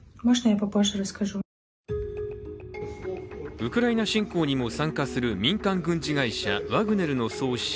ウクライナ侵攻にも参加する民間軍事会社ワグネルの創始者